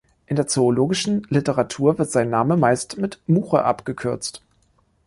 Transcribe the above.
In der zoologischen Literatur wird sein Name meist mit „Muche“ abgekürzt.